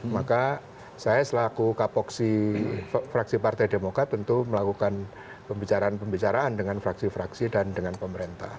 maka saya selaku kapoksi fraksi partai demokrat tentu melakukan pembicaraan pembicaraan dengan fraksi fraksi dan dengan pemerintah